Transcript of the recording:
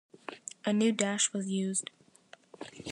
A new dash was used.